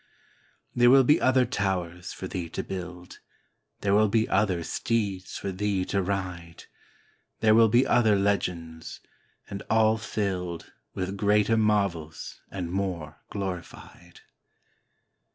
There will be other towers for thee to build; There will be other steeds for thee to ride; There will be other legends, and all filled With greater marvels and more glorified.